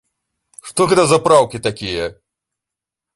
Што гэта за праўкі такія?